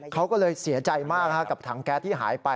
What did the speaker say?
เขาก็เลยเสียใจมากกับถังแก๊สที่หายไป